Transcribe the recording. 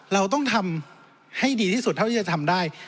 เราต้องทำให้ดีที่สุดเท่าที่จะทำได้